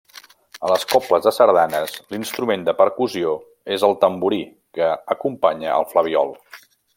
A les cobles de sardanes l'instrument de percussió és el tamborí, que acompanya el flabiol.